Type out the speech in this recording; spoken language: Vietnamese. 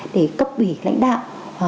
để cấp bỉ lãnh đạo